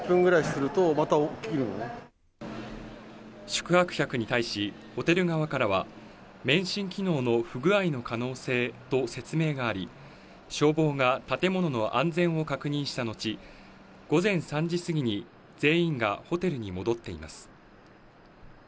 宿泊客に対し、ホテル側からは免震機能の不具合の可能性と説明があり、消防が建物の安全を確認した後、午前３時過ぎに全員がホテルに戻っています。